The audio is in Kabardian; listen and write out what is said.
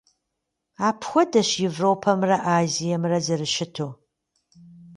Апхуэдэщ Европэмрэ Азиемрэ зэрыщыту.